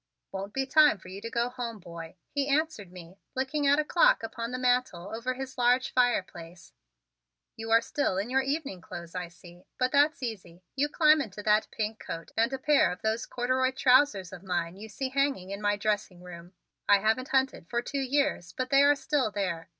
"Won't be time for you to go home, boy," he answered me, looking at a clock upon the mantel over his large fireplace. "You are still in your evening clothes, I see. But that's easy: you climb into that pink coat and a pair of those corduroy trousers of mine you see hanging in my dressing room. I haven't hunted for two years but they are still there.